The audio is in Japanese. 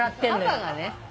パパがね。